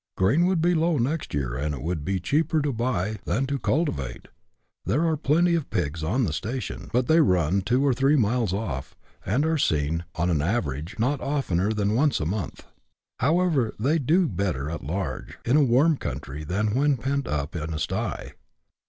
" Grain would be low next year, and it would be cheaper to buy than to cultivate." There are plenty of pigs " on the station," but they " run " two or three miles off, and are seen, on an average, not oftener than once a month. However, " they ' do better ' at large, in a warm country, than when pent up in a sty."